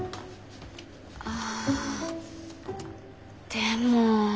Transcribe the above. あでも。